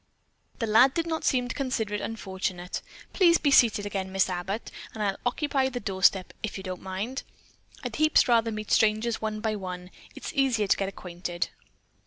The lad did not seem to consider it unfortunate. "Please be seated again, Miss Abbott, and I'll occupy the door step, if you don't mind. I'd heaps rather meet strangers one by one. It's easier to get acquainted."